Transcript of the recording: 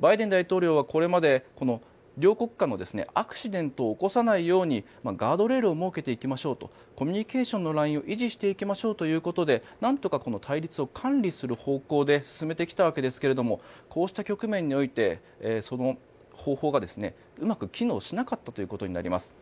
バイデン大統領はこれまで両国間のアクシデントを起こさないようにガードレールを設けていきましょうとコミュニケーションのラインを維持していきましょうということで何とかこの対立を管理する方向で進めてきたわけですがこうした局面においてその方法がうまく機能しなかったということになります。